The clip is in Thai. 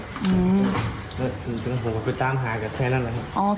แล้วผมไปตามหากับแฟนนั่นน่ะครับ